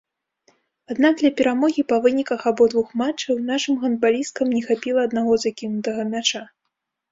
Аднак для перамогі па выніках абодвух матчаў нашым гандбалісткам не хапіла аднаго закінутага мяча.